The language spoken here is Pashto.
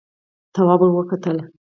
تواب ور وکتل: